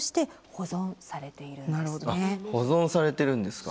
保存されてるんですか。